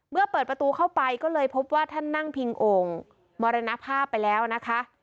เมื่อเปิดประตูเข้าไปก็เลยพบว่าท่านนั่งพิงโอ่งมรณภาพไปแล้วนะคะ